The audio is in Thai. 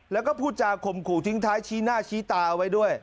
แล้วก็พูดจาข่มขู่ทิ้งท้ายชี้หน้าชี้ตาเอาไว้ด้วย